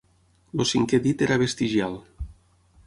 El cinquè dit era vestigial.